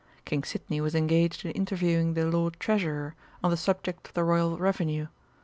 King Sidney was engaged in interviewing the Lord Treasurer on the subject of the Royal revenue.